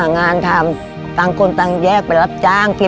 ก็เลยต้องไปดิ้นลนทำมาหางานกันช่วยกันช่วยลักษณีย์กับลูกหางานทำ